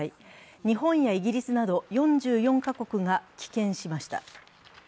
日本やイギリスなど４４か国が棄権しました。